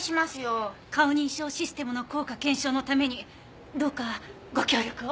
顔認証システムの効果検証のためにどうかご協力を。